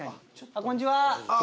あっこんにちは。